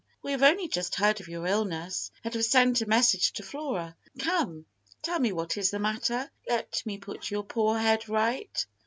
We have only just heard of your illness, and have sent a message to Flora. Come, tell me what is the matter; let me put your poor head right."